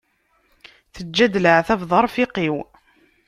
Teǧǧa-d leɛtab d arfiq-iw.